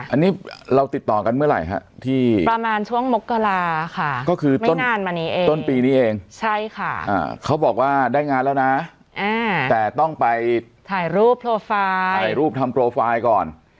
อันนี้เราติดต่อกันเมื่อไหร่ฮะที่ประมาณช่วงมกราค่ะก็คือต้นนานมานี้เองต้นปีนี้เองใช่ค่ะเขาบอกว่าได้งานแล้วนะแต่ต้องไปถ่ายรูปโปรไฟล์ถ่ายรูปทำโปรไฟล์ก่อน